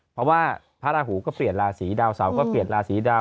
เพราะว่าพระราหูก็เปลี่ยนราศีดาวเสาร์ก็เปลี่ยนราศีดาว